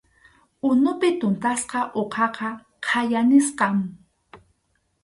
Unupi tuntasqa uqaqa khaya nisqam.